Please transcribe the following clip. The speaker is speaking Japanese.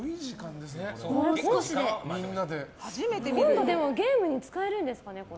でもゲームに使えるんですかねこれ。